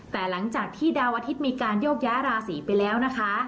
แต่หลังจากที่ดาวอาทิตย์มีการโยกย้ายราศีไปแล้วนะคะ